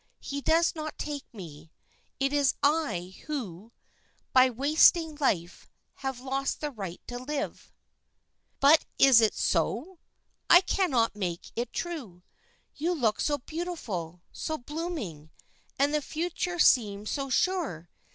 He does not take me; it is I, who, by wasting life, have lost the right to live." "But is it so? I cannot make it true. You look so beautiful, so blooming, and the future seemed so sure.